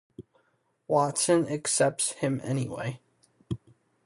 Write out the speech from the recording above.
Watson accepts him anyway.